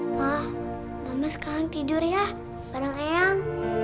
wah mama sekarang tidur ya bareng ayang